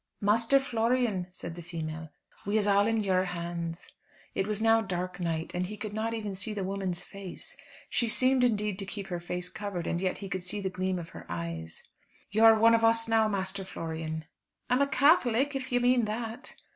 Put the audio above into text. "Master Florian," said the female, "we is all in your hands." It was now dark night, and he could not even see the woman's face. She seemed indeed to keep her face covered, and yet he could see the gleam of her eyes. "You're one of us now, Master Florian." "I'm a Catholic, if you mean that."